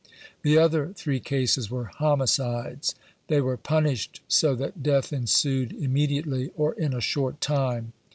The other three cases were homi cides; they were punished so that death ensued immediately, or in a short time.